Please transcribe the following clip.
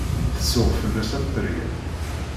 Tsuɣ fell-as am teryel.